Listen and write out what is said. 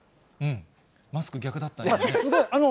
マスク逆だったね。